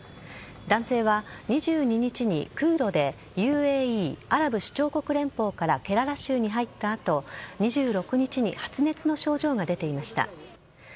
男性は２２日に空路でＵＡＥ・アラブ首長国連邦からケララ州に入ったあと、２６日に発熱の症状が出ていました。